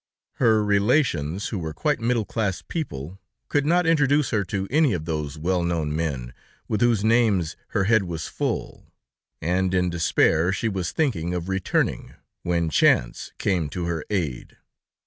Her relations, who were quite middle class people, could not introduce her to any of those well known men with whose names her head was full, and in despair she was thinking of returning, when chance came to her aid.